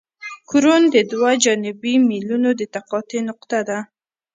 کرون د دوه جانبي میلونو د تقاطع نقطه ده